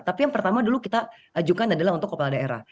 tapi yang pertama dulu kita ajukan adalah untuk kepala daerah